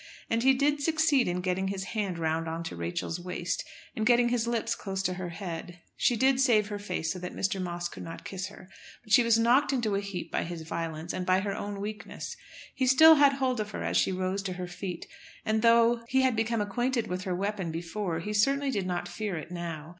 And he did succeed in getting his hand round on to Rachel's waist, and getting his lips close to her head. She did save her face so that Mr. Moss could not kiss her, but she was knocked into a heap by his violence, and by her own weakness. He still had hold of her as she rose to her feet, and, though he had become acquainted with her weapon before, he certainly did not fear it now.